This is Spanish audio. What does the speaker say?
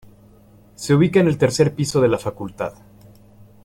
Se ubica en el tercer piso de la Facultad.